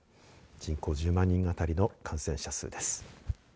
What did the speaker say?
人口１０万人あたりの感染者数です。